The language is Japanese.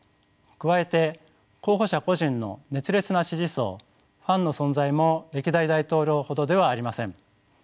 加えて候補者個人の熱烈な支持層ファンの存在も歴代大統領ほどではありません。